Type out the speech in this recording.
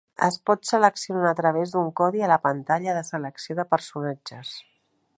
Es pot seleccionar a través d'un codi a la pantalla de selecció de personatges.